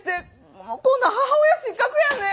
もうこんなん母親失格やんね。